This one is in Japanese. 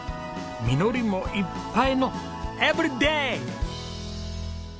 実りもいっぱいのエブリデー！